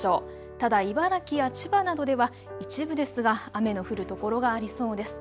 ただ茨城や千葉などでは一部ですが雨の降る所がありそうです。